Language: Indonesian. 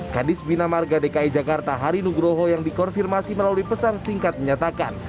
kadis bina marga dki jakarta hari nugroho yang dikonfirmasi melalui pesan singkat menyatakan